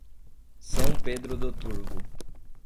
São Pedro do Turvo